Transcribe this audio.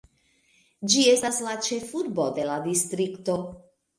Ĝi estas la ĉefurbo de la distrikto.